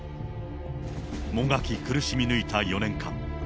もがき苦しみ抜いた４年間。